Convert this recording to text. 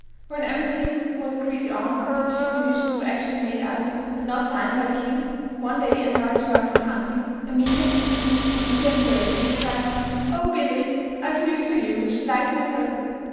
"When everything was agreed on, and the two commissions were actually made out, but not signed by the king, one day, at my return from hunting, Amelia flew to me, and eagerly embracing me, cried out, 'O Billy, I have news for you which delights my soul.